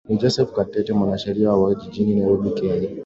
ni joseph katete mwanasheria wa jijini nairobi kenya